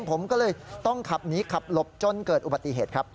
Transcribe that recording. ผมก็เลยต้องขับหนีขับหลบจนเกิดอุบัติเหตุครับ